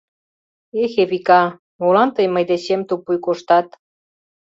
Эх, Эвика, молан тый мый дечем тупуй коштат?